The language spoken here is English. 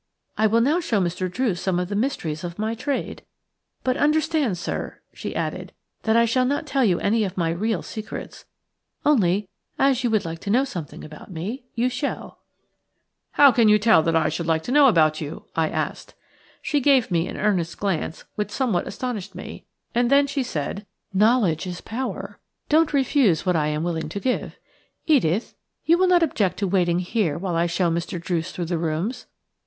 I will now show Mr. Druce some of the mysteries of my trade. But understand, sir," she added, "that I shall not tell you any of my real secrets, only as you would like to know something about me you shall." "THIS IS MY SANCTUM SANCTORUM." "How can you tell I should like to know about you?" I asked. She gave me an earnest glance which somewhat astonished me, and then she said:– "Knowledge is power; don't refuse what I am willing to give. Edith, you will not object to waiting here while I show Mr. Druce through the rooms.